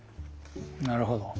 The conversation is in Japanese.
なるほど。